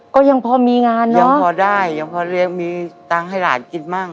ก็ยังพอมีงานอยู่ยังพอได้ยังพอเลี้ยงมีตังค์ให้หลานกินบ้าง